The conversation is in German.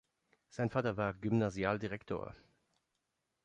Sein Vater war Gymnasialdirektor.